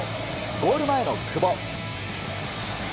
ゴール前の久保。